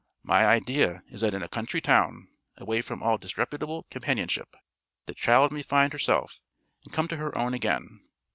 My idea is that in a country town, away from all disreputable companionship, the child may find herself, and come to her own again.